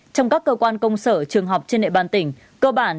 cơ bản đều là các cơ quan công sở trường học trên nệm ban tỉnh